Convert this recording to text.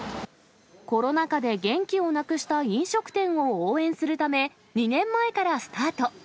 コロナ禍で元気をなくした飲食店を応援するため、２年前からスタート。